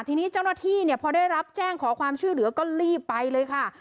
ทีนี้เจ้าหน้าที่เนี่ยพอได้รับแจ้งขอความช่วยเหลือก็รีบไปเลยค่ะ